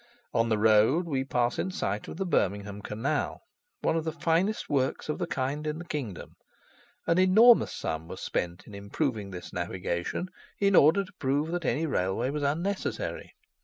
On the road we pass in sight of the Birmingham canal, one of the finest works of the kind in the kingdom. An enormous sum was spent in improving the navigation, in order to prove that any railway was unnecessary.